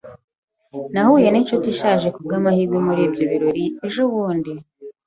Nahuye ninshuti ishaje kubwamahirwe muri ibyo birori ejobundi.